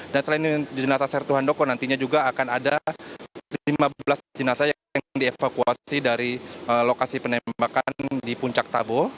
dan selain jenazah sertu anumar nantinya juga akan ada lima belas jenazah yang dievakuasi dari lokasi penembakan di puncak tabo